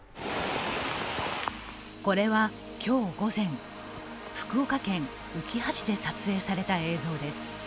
これは今日午前、福岡県うきは市で撮影された映像です。